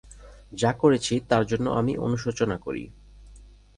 যা করেছি তার জন্য আমি অনুশোচনা করি।